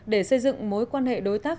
để xây dựng mối quan hệ đối tác